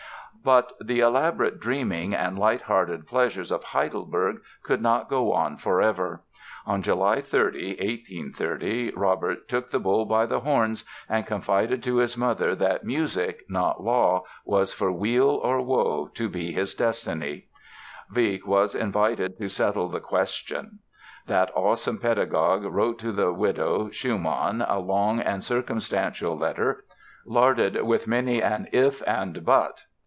But the elaborate dreamings and light hearted pleasures of Heidelberg could not go on forever. On July 30, 1830, Robert took the bull by the horns and confided to his mother that music, not law, was for weal or woe to be his destiny. Wieck was invited to settle the question. That awesome pedagogue wrote to the widow Schumann a long and circumstantial letter, larded with many an "if" and "but".